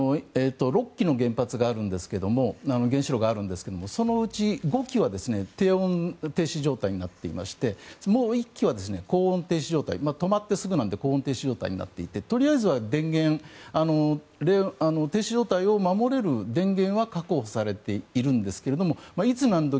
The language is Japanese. ６基の原子炉があるんですがそのうち５基は低温停止状態になっていましてもう１基は高温停止状態止まってすぐなので高温停止状態になっていてとりあえずは停止状態を守れる電源は確保されているんですがいつ何時